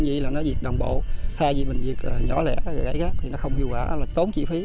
vì vậy là nó dịch đồng bộ thay vì mình dịch nhỏ lẻ gãy gác thì nó không hiệu quả tốn chi phí